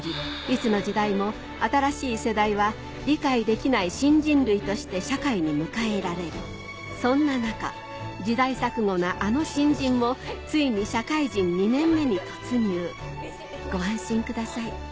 いつの時代も新しい世代は理解できない新人類として社会に迎えられるそんな中時代錯誤なあの新人もついに社会人２年目に突入ご安心ください